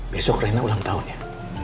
besok reina ulang tahun ya